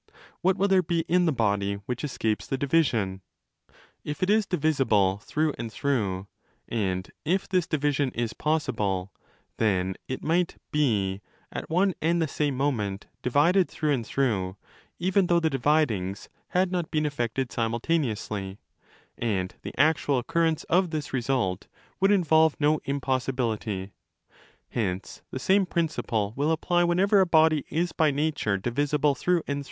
What will there be in the body which escapes the division? : If it is divisible through and through, and if this division is possible, then it might Je, at one and the same moment, divided through and through, even though the dividings had not been effected simultaneously: and the actual occurrence of this result would involve no impossibility. Hence the same principle will apply whenever a body is 20 by nature divisible through and.